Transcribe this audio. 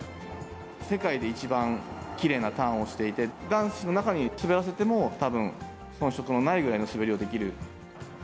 世界で一番きれいなターンをしていて、男子の中に滑らせても、たぶん、遜色のないぐらいの滑りをできる。